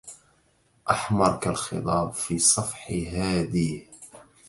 أحمر كالخضاب في صفح هاديه